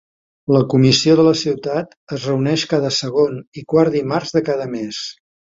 La comissió de la ciutat es reuneix cada segon i quart dimarts de cada mes.